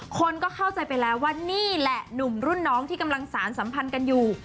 คนก็เข้าใจไปแล้วว่านี่แหละหนุ่มรุ่นน้องที่กำลังสารสัมพันธ์กันอยู่